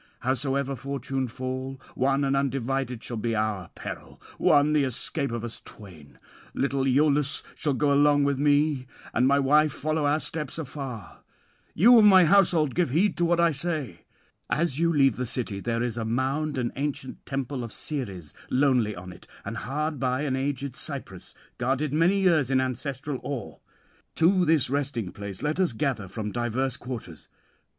Howsoever fortune fall, one and undivided shall be our peril, one the escape of us twain. Little Iülus shall go along with me, and my wife follow our steps afar. You of my household, give heed to what I say. As you leave the city there is a mound and ancient temple of Ceres lonely on it, and hard by an aged cypress, guarded many years in ancestral awe: to this resting place let us gather from diverse quarters.